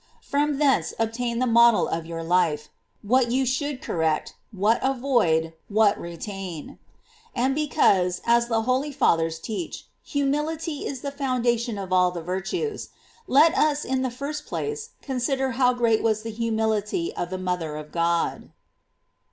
From thence obtain the model of your life ... what you should correct, what avoid, what retain. J And because, as the holy Fathers teach, humility is the foundation of all the virtues, let us in the first place consider how great was the humility of the mother of God.